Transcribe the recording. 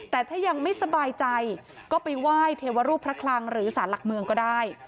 แต่ถ้ายังไม่สบายใจก็ไปไหว้เทวรูปพระคลังหรือสารหลักเมืองก็ได้